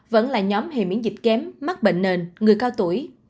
vẫn là nhóm hề miễn dịch kém mắc bệnh nền người cao tuổi